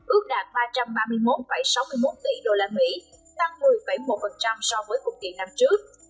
ước đạt ba trăm ba mươi một sáu mươi một tỷ đô la mỹ tăng một mươi một so với cùng kỳ năm trước